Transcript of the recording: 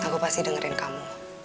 aku pasti dengerin kamu